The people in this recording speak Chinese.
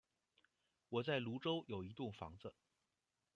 我在芦洲有一栋房子